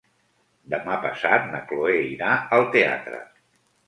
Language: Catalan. Demà passat na Chloé irà al teatre.